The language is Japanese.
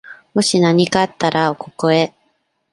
もしなにかあったら、ここへ。